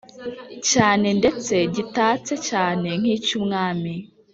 cyane ndetse gitatse cyane nk’icy’umwami